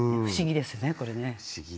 不思議ですね。